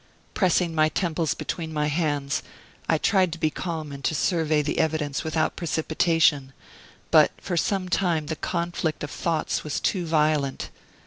Pressing my temples between my hands, I tried to be calm and to survey the evidence without precipitation; but for some time the conflict of thoughts was too violent.